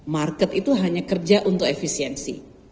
market itu hanya kerja untuk efisiensi